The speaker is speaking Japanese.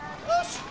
よし！